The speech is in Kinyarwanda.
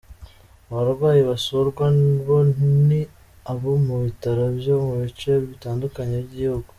Abarwayi basurwa bo ni abo mu bitaro byo mu bice bitandukanye by’igihugu.